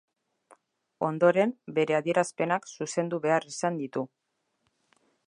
Ondoren, bere adierazpenak zuzendu behar izan ditu.